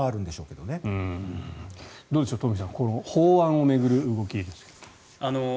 どうでしょう、東輝さん法案を巡る動きですが。